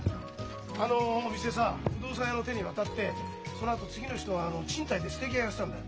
あのお店さ不動産屋の手に渡ってそのあと次の人が賃貸でステーキ屋やってたんだよ。